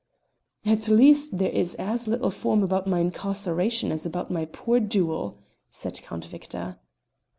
"At least there is as little form about my incarceration as about my poor duel," said Count Victor.